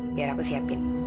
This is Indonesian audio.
biar aku siapin